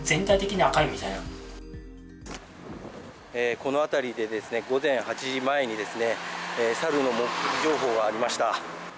この辺りで、午前８時前にサルの目撃情報がありました。